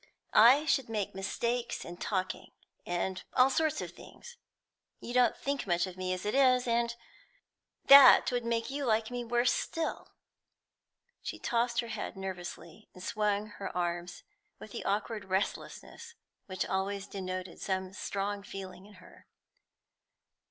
I should make mistakes in talking, and all sorts of things. You don't think much of me, as it is, and that would make you like me worse still." She tossed her head nervously, and swung her arms with the awkward restlessness which always denoted some strong feeling in her.